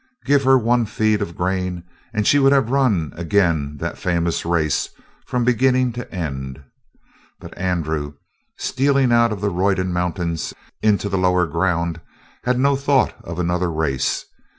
Give her one feed of grain, and she would have run again that famous race from beginning to end. But Andrew, stealing out of the Roydon mountains into the lower ground, had no thought of another race.